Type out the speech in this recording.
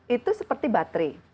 itu seperti baterai